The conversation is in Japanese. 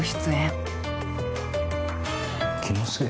気のせい？